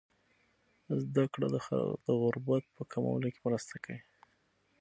زده کړه د غربت په کمولو کې مرسته کوي.